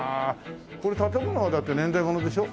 これ建物はだって年代物でしょ？